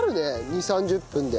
２０３０分で。